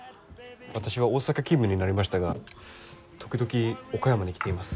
私は大阪勤務になりましたが時々岡山に来ています。